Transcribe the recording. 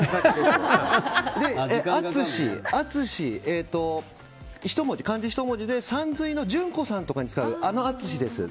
「淳」、漢字ひと文字でさんずいの淳子さんとかに使うあの淳です。